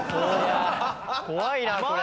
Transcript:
怖いなあこれ。